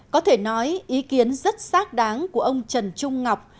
có thể nói ý kiến rất xác đáng của ông trần trung ngọc